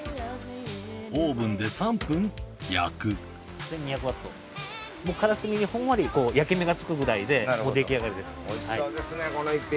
オーブンで３分焼くからすみにほんわり焼け目が付くぐらいで出来上がりです。